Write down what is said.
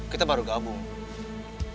kita baru gabung